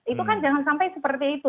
itu kan jangan sampai seperti itu